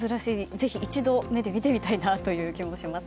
ぜひ一度、目で見てみたいという気がします。